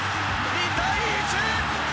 ２対１！